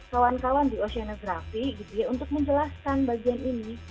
kawan kawan di oceanography gitu ya untuk menjelaskan bagian ini